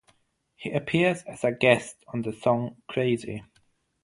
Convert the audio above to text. He appears as a guest on the song Crazy.